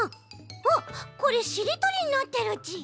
あっこれしりとりになってるち！